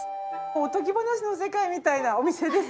おとぎ話の世界みたいなお店ですね！